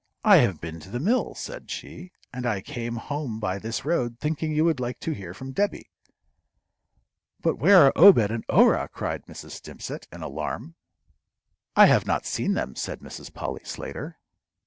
"I have been to the mill," said she, "and I came home by this road, thinking you would like to hear from Debby." "But where are Obed and Orah?" cried Mrs. Stimpcett, in alarm. "I have not seen them," said Mrs. Polly Slater.